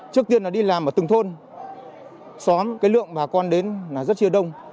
trước tiên là đi làm ở từng thôn xóm cái lượng bà con đến là rất chưa đông